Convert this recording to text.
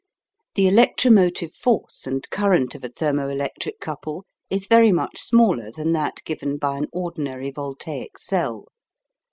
The electromotive force and current of a thermo electric couple is very much smaller than that given by an ordinary voltaic cell.